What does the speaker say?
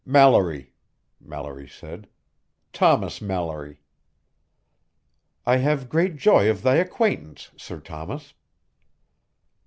"Mallory," Mallory said. "Thomas Mallory." "I have great joy of thy acquaintance, Sir Thomas."